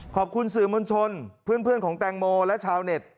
ขอบคุณสื่อมวลชนเพื่อนของแตงโมและชาวเน็ต